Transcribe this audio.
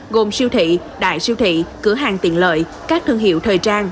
gồm siêu thị đại siêu thị cửa hàng tiện lợi các thương hiệu thời trang